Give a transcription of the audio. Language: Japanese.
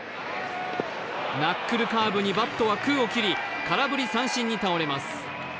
ナックルカーブにバットは空を切り、空振り三振に倒れます。